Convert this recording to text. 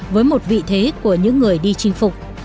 với một vị thế của những người đi chinh phục